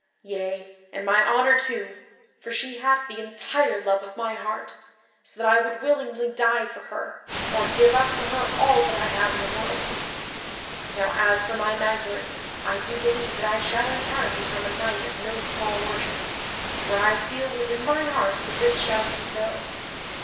Yea, and my honor too! for she hath the entire love of my heart, so that I would willingly die for her, or give up for her all that I have in the world. Now as for my knighthood, I do believe that I shall in time become a knight of no small worship, for I feel within my heart that this shall be so.